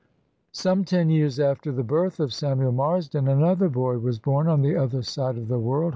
Some ten years after the birth of Samuel Marsden another boy was born on the other side of the world.